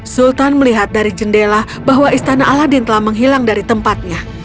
sultan melihat dari jendela bahwa istana aladin telah menghilang dari tempatnya